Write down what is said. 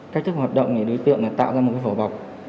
cách thức hoạt động để đối tượng tạo ra một phổ bọc